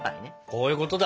こういうことだ。